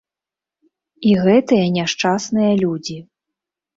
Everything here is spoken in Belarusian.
І гэтыя няшчасныя людзі.